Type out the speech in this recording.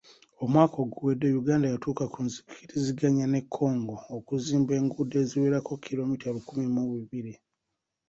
Omwaka oguwedde, Uganda yatuuka ku nzikiriziganya ne Congo okuzimba enguudo eziwerako kkiromita lukumi mu bibiri.